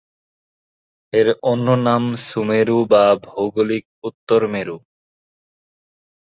এর অন্য নাম সুমেরু বা ভৌগোলিক উত্তর মেরু।